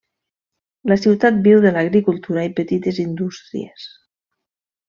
La ciutat viu de l'agricultura i petites indústries.